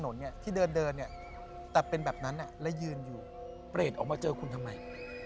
ใช่ครับเหมือนหน้าพวกผมแล้ว